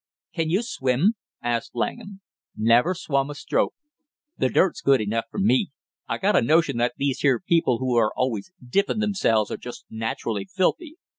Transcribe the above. "Can you swim?" asked Langham. "Never swum a stroke. The dirt's good enough for me; I got a notion that these here people who are always dippin' themselves are just naturally filthy.